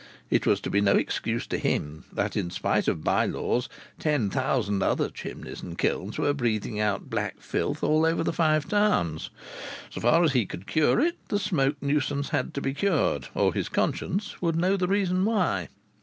It was to be no excuse to him that in spite of bye laws ten thousand other chimneys and kilns were breathing out black filth all over the Five Towns. So far as he could cure it the smoke nuisance had to be cured, or his conscience would know the reason why!